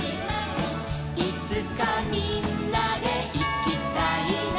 「いつかみんなでいきたいな」